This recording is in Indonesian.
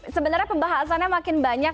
sebenarnya pembahasannya makin banyak